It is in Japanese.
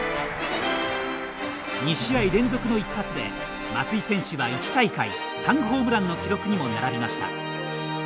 ２試合連続の１発で、松井選手は１大会３ホームランの記録にも並びました。